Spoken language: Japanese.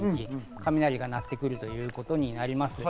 雷が鳴ってくるということになります。